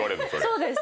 そうです。